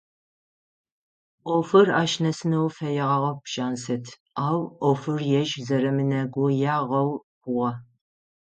Ӏофыр ащ нэсынэу фэягъэп Жансэт, ау ӏофыр ежь зэремынэгуягъэу хъугъэ.